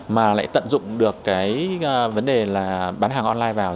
mà lại tận dụng được vấn đề bán hàng online vào